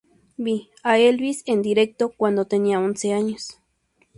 Vi a Elvis en directo cuando tenía once años.